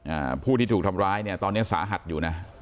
อ่าผู้ที่ถูกทำร้ายเนี้ยตอนเนี้ยสาหัสอยู่นะ